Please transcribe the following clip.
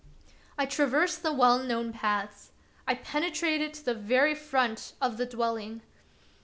I traversed the well known paths. I penetrated to the very front of the dwelling.